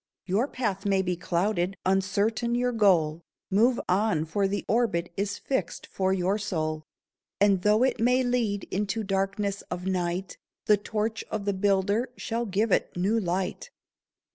Your path may be clouded, uncertain your goal; Move on, for the orbit is fixed for your soul. And though it may lead into darkness of night, The torch of the Builder shall give it new light.